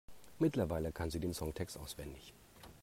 Mittlerweile kann sie den Songtext auswendig.